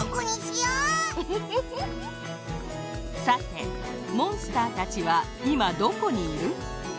さてモンスターたちはいまどこにいる？